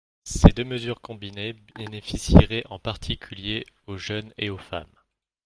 Ces deux mesures combinées bénéficieraient en particulier aux jeunes et aux femmes.